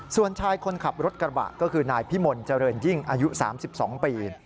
ส่วนชายคนขับรถกระบะก็คือนายพิมลเจริญยิ่งอายุ๓๒ปี